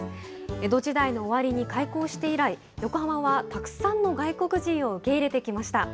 江戸時代の終わりに開港して以来、横浜はたくさんの外国人を受け入れてきました。